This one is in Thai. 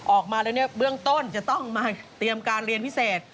ออกมาแล้วเนี่ยเบื้องต้นจะต้องมาเตรียมการเรียนพิเศษ